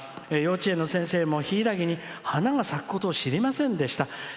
幼稚園の先生も柊に花が咲くことを知りませんでした。